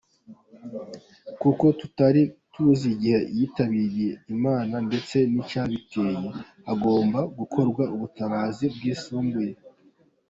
Kuko tutari tuzi igihe yitabiye Imana ndetse n’icyabiteye hagombaga gukorwa ubutabazi bwisumbuyeho.